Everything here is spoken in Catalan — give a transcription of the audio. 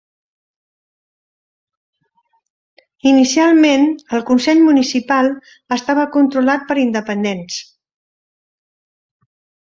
Inicialment, el consell municipal estava controlat per independents.